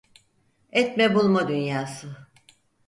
Etme bulma dünyası.